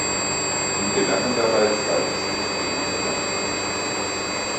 Ihm gelangen dabei zwei Versuche gegen Irland.